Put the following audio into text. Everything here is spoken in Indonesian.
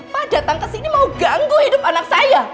dan sekarang bapak datang kesini mau ganggu hidup anak saya